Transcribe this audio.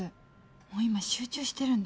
もう今集中してるんで。